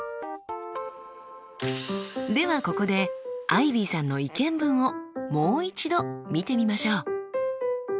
ではここでアイビーさんの意見文をもう一度見てみましょう。